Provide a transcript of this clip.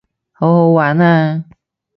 好好玩啊